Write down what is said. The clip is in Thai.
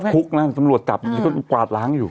พี่พุกนะสำรวจจับกวาดล้างอยู่